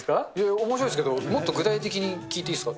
おもしろいですけど、もっと具体的に聞いていいですか？